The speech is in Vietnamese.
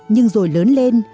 nhưng rồi lớn lên